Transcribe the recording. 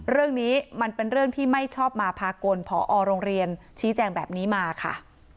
เรื่องนี้มันเป็นเรื่องที่ไม่ชอบมาพากลพอโรงเรียนชี้แจงแบบนี้มาค่ะ